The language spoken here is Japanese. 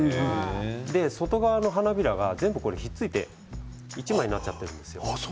外側の花びらが全部ひっついて１枚になっているんです。